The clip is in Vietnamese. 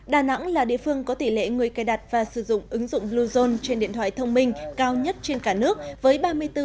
đà nẵng là địa phương có tỷ lệ người cài đặt và sử dụng ứng dụng bluezone trên điện thoại thông minh cao nhất trên cả nước với ba mươi bốn bốn